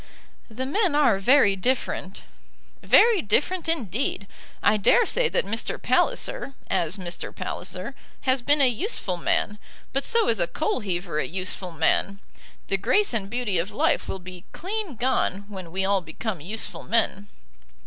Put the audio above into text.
"The men are very different." "Very different indeed. I dare say that Mr. Palliser, as Mr. Palliser, has been a useful man. But so is a coal heaver a useful man. The grace and beauty of life will be clean gone when we all become useful men."